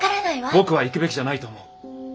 僕は行くべきじゃないと思う。